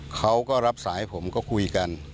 เขาก็รับสายผมก็คุยกัน